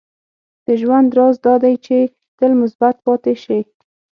• د ژوند راز دا دی چې تل مثبت پاتې شې.